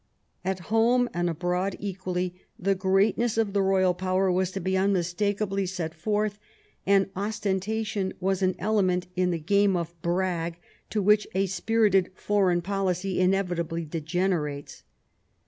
At home and abroad equally the greatness of the royal power was to be immistakably set forth, and ostentation was an element in the game of brag to which a spirited foreign policy inevitably degenerates.